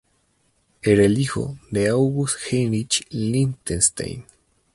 Era el hijo de August Heinrich Lichtenstein.